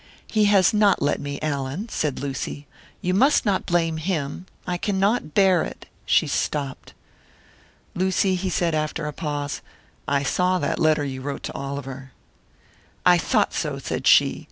"He has not let me, Allan," said Lucy. "You must not blame him I cannot bear it." She stopped. "Lucy," he said, after a pause, "I saw that letter you wrote to Oliver." "I thought so," said she.